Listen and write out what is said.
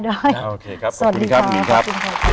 สวัสดีครับนิ่งครับ